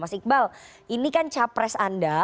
mas iqbal ini kan capres anda